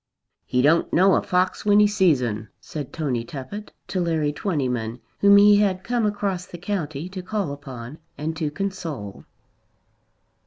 "He don't know a fox when he sees 'un," said Tony Tuppett to Larry Twentyman, whom he had come across the county to call upon and to console.